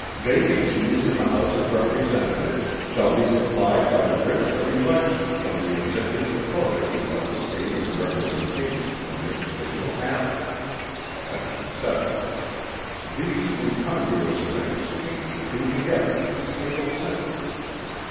Vacancies in the House of Representatives shall be supplied by writs of election from the executive authority of the State in the representation from which they shall happen" (sec. 7). These incongruous things Pinckney threw together in a single sentence.